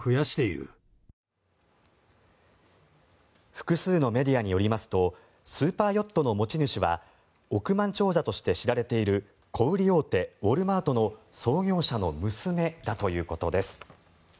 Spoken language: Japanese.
複数のメディアによりますとスーパーヨットの持ち主は億万長者として知られている小売り大手ウォルマートの創業者の娘だということです。